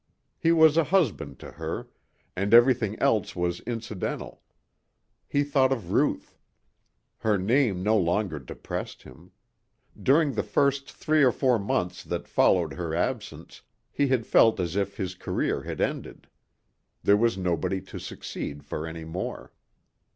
He was a husband to her, and everything else was incidental. He thought of Ruth. Her name no longer depressed him. During the first three or four months that followed her absence he had felt as if his career had ended. There was nobody to succeed for any more.